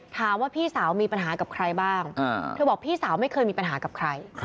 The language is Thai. ถามว่าพี่สาวมีปัญหากับใครบ้างเธอบอกพี่สาวไม่เคยมีปัญหากับใคร